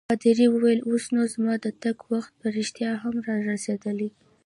پادري وویل: اوس نو زما د تګ وخت په رښتیا هم رارسیدلی.